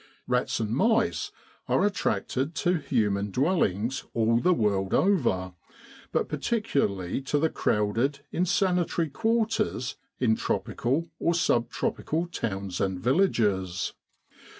Rats and mice are attracted to human dwellings all the world over, but particularly to the crowded, insanitary quarters in tropical or sub tropical towns and villages.